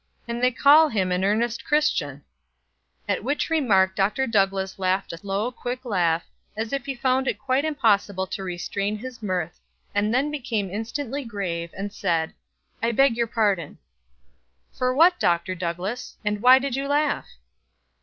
and they call him an earnest Christian!" At which remark Dr. Douglass laughed a low, quick laugh, as if he found it quite impossible to restrain his mirth, and then became instantly grave, and said: "I beg your pardon." "For what, Dr. Douglass; and why did you laugh?"